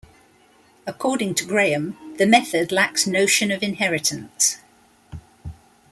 According to Graham the method lacks notion of inheritance.